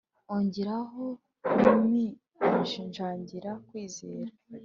ongeraho kuminjagira kwizera